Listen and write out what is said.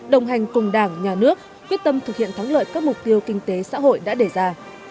đồng hành cùng đảng nhà nước quyết tâm thực hiện thắng lợi các mục tiêu kinh tế xã hội đã đề ra